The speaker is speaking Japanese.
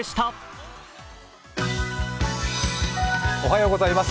おはようございます。